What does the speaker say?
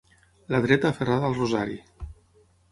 La dreta aferrada al rosari.